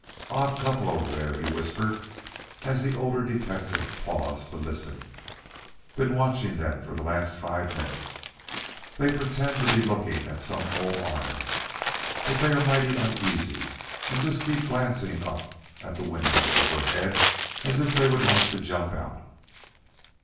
"Odd couple over there," he whispered as the older detective paused to listen. "Been watching them for the last five minutes. They pretend to be looking at some old armor, but they are mighty uneasy and keep glancing up at the window overhead as if they would like to jump out."